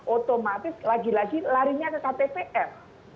otomatis lagi lagi larinya ke ktpf